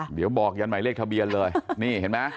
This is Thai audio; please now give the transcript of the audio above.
เดี๋ยวบอกยันหมายเลขทะเบียนเลยนี่เห็นไหม